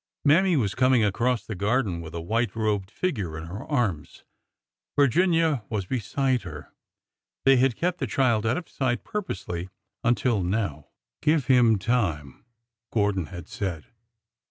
Mammy was coming across the garden with a white robed figure in her arms. Virginia was beside her. They had kept the child out of sight purposely until now. '' Give him time," Gordon had said.